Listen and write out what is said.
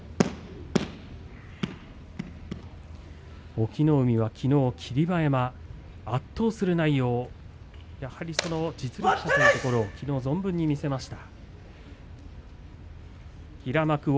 隠岐の海は、きのう霧馬山を圧倒する内容実力者というところをきのう、存分に見せました。